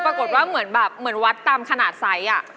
ปรากฏว่าเหมือนวัดตามขนาดไซส์